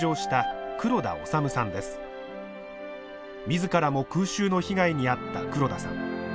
自らも空襲の被害に遭った黒田さん。